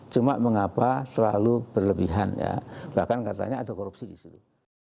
cuma mengapa terlalu berlebihan ya bahkan katanya ada korupsi di situ